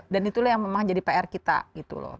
dan itulah yang memang jadi pr kita gitu loh